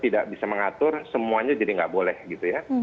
tidak bisa mengatur semuanya jadi nggak boleh gitu ya